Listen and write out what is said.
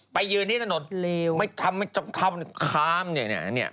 ไปยืนในถนนทำไม่จบเข้าค้ามอย่างนี้